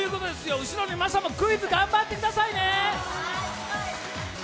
後ろの皆さんもクイズ頑張ってくださいね！